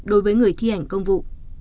đối với người thi hành công vụ